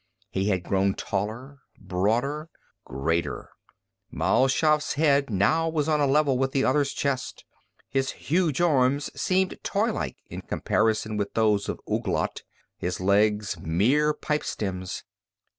He had grown taller, broader, greater. Mal Shaff's head now was on a level with the other's chest; his huge arms seemed toylike in comparison with those of Ouglat, his legs mere pipestems.